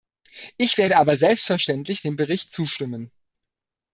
Ich werde aber selbstverständlich dem Bericht zustimmen.